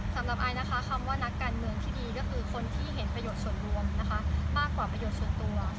ไอนะคะคำว่านักการเมืองที่ดีก็คือคนที่เห็นประโยชน์ส่วนรวมนะคะมากกว่าประโยชน์ส่วนตัว